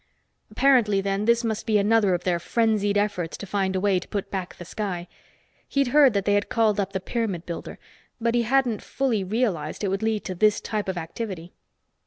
Apparently then this must be another of their frenzied efforts to find a way to put back the sky. He'd heard that they had called up the pyramid builder, but hadn't fully realized it would lead to this type of activity.